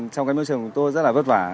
trong cái môi trường của tôi rất là vất vả